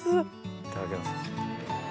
いただきます。